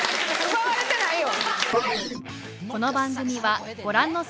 奪われてないよ。